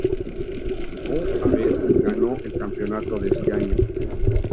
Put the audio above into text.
Go Ahead ganó el campeonato de este año.